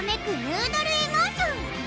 ヌードル・エモーション！